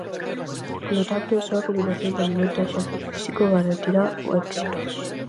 Polo tanto, só a combinación de alimento e exercicio físico garantirá o éxito.